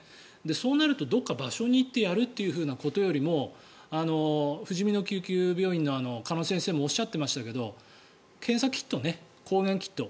そうなると、どこか場所に行ってやるということよりもふじみの救急病院の鹿野先生もおっしゃっていましたけど検査キットね、抗原キット。